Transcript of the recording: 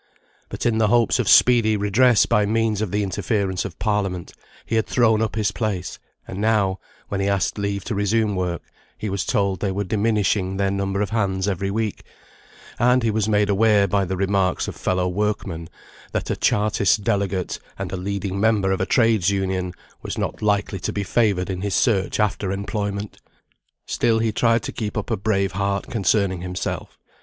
But in the hopes of speedy redress by means of the interference of Parliament, he had thrown up his place; and now, when he asked leave to resume work, he was told they were diminishing their number of hands every week, and he was made aware by the remarks of fellow workmen, that a Chartist delegate, and a leading member of a Trades' Union, was not likely to be favoured in his search after employment. Still he tried to keep up a brave heart concerning himself.